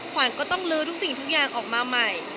ขวัญก็ต้องลื้อทุกสิ่งทุกอย่างออกมาใหม่